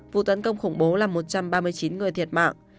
vụ tấn công khủng bố là một trăm ba mươi chín người thiệt mạng